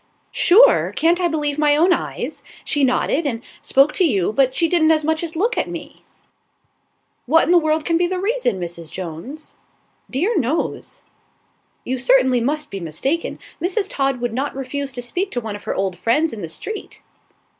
"Sure? Can't I believe my own eyes? She nodded and spoke to you, but she didn't as much as look at me." "What in the world can be the reason, Mrs. Jones?" "Dear knows!" "You certainly must be mistaken. Mrs. Todd would not refuse to speak to one of her old friends in the street."